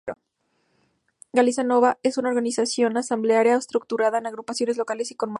Galiza Nova es una organización asamblearia estructurada en agrupaciones locales y comarcales.